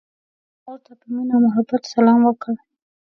ما ورته په مینه او محبت سلام وکړ.